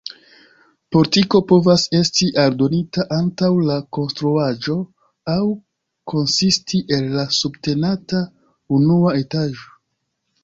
Portiko povas esti aldonita antaŭ la konstruaĵo aŭ konsisti el la subtenata unua etaĝo.